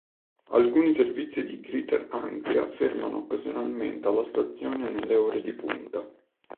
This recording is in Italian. Alcuni servizi di Greater Anglia fermano occasionalmente alla stazione nelle ore di punta.